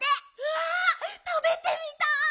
わたべてみたい！